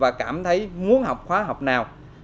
và cảm thấy muốn học khóa học nào